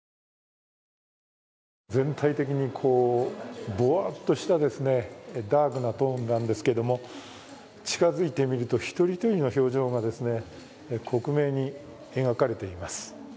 全体的にぼーっとしたダークなトーンなんですけれども、近づいてみると一人一人の表情が克明に描かれています。